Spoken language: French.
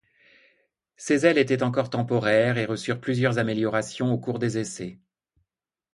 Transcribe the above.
Ses ailes étaient encore temporaires et reçurent plusieurs améliorations aux cours des essais.